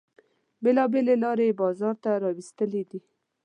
بیلابیلې لارې یې بازار ته را ویستلې دي.